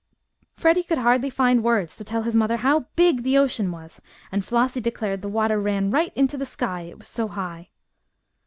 Freddie could hardly find words to tell his mother how big the ocean was, and Flossie declared the water ran right into the sky it was so high.